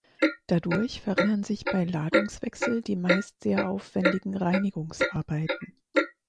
Dadurch verringern sich bei Ladungswechsel die meist sehr aufwendigen Reinigungsarbeiten.